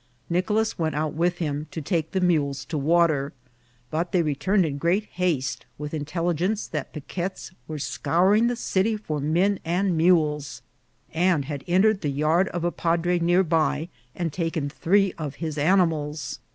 Nicolas went out with him to take the mules to water ; but they returned in great haste, with intelligence that piquets were scouring the city for men and mules, and had entered the yard of a padre near by and taken three of his animals.